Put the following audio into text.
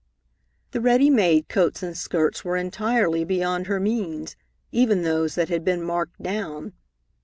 The ready made coats and skirts were entirely beyond her means, even those that had been marked down.